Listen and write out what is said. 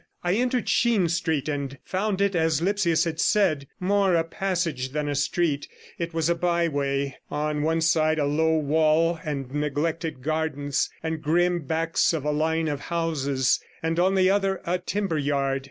I entered Sheen Street, and found it as Lipsius had said, more a passage than a street; it was a byway, on one side a low wall and neglected gardens, and grim backs of a line of houses, and on the other a timberyard.